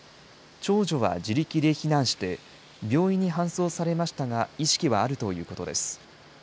長女は自力で避難して、病院に搬送されましたが、意識はあるということです。